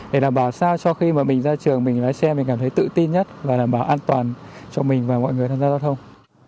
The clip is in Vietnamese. để đảm bảo sao cho khi mà mình ra trường mình lái xe mình cảm thấy tự tin nhất và đảm bảo an toàn cho mình và mọi người tham gia giao thông